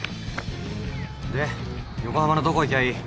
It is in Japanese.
で横浜のどこ行きゃいい？